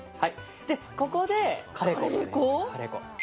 ここで、カレー粉。